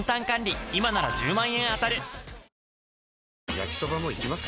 焼きソバもいきます？